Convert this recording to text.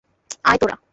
আয়, তোরা।